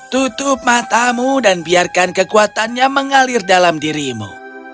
tutup matamu dan biarkan kekuatannya mengalir dalam dirimu